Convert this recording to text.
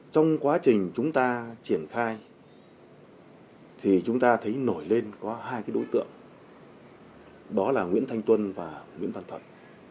trong quá trình chúng ta triển khai thì chúng ta thấy nổi lên có hai đối tượng đó là nguyễn thanh tuân và nguyễn văn thuận